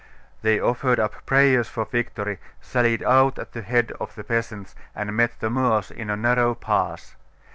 'They offered up prayers for victory, sallied out at the head of the peasants, and met the Moors in a narrow pass.